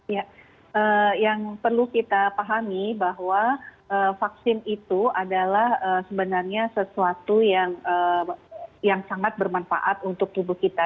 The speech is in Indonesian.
ya yang perlu kita pahami bahwa vaksin itu adalah sebenarnya sesuatu yang sangat bermanfaat untuk tubuh kita